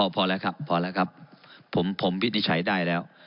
พอแล้วครับพอแล้วครับผมวินิจฉัยได้แล้ว